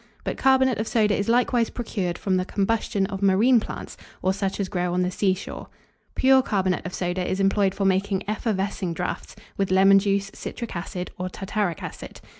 _ But carbonate of soda is likewise procured from the combustion of marine plants, or such as grow on the sea shore. Pure carbonate of soda is employed for making effervescing draughts, with lemon juice, citric acid, or tartaric acid.